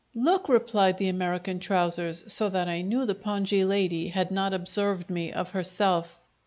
"Look!" replied the American trousers; so that I knew the pongee lady had not observed me of herself.